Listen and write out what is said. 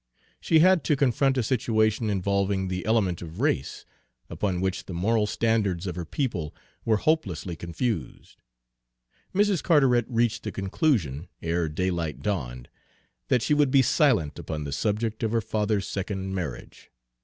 She had to confront a situation involving the element of race, upon which the moral standards of her people were hopelessly confused. Mrs. Carteret reached the conclusion, ere daylight dawned, that she would be silent upon the subject of her father's second marriage.